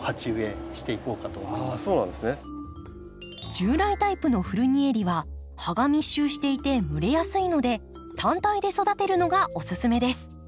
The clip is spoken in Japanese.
従来タイプのフルニエリは葉が密集していて蒸れやすいので単体で育てるのがおすすめです。